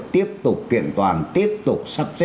tiếp tục kiện toàn tiếp tục sắp xếp